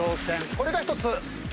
これが１つ。